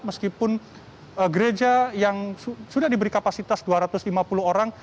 meskipun gereja yang sudah diberi kapasitas dua ratus lima puluh orang